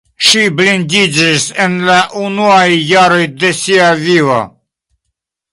Ŝi blindiĝis en la unuaj jaroj de sia vivo.